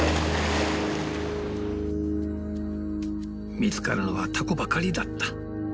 見つかるのはタコばかりだった。